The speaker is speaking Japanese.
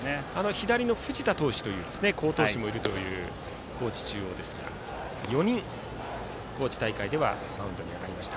左の藤田投手という好投手もいる高知中央ですが４人、高知大会ではマウンドに上がりました。